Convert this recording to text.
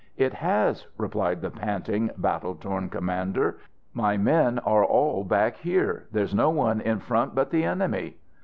"It has," replied the panting, battle torn commander. "My men are all back here; there's no one in front but the enemy!"